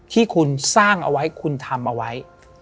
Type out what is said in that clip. ที่คุณสร้างเอาไว้คุณทำเอาไว้